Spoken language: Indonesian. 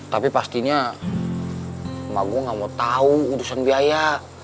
tapi pastinya emak gua gak mau tau urusan biaya